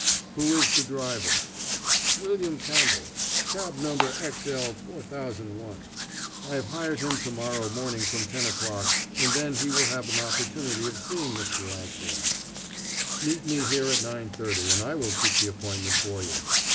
"Who is the driver?" "William Campbell cab number X L 4001. I have hired him to morrow morning from ten o'clock, and then he will have an opportunity of seeing Mr. Osborne " "Meet me here at 9.30, and I will keep the appointment for you.